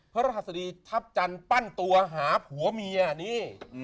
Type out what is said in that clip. พระรหัสดีทัพจันทร์ปั้นตัวหาผัวเมียนี่